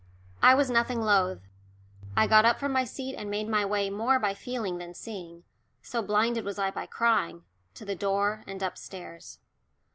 I was nothing loth. I got up from my seat and made my way more by feeling than seeing so blinded was I by crying to the door, and upstairs.